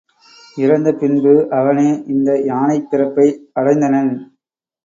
இறந்த பின்பு அவனே இந்த யானைப் பிறப்பை அடைந்தனன்.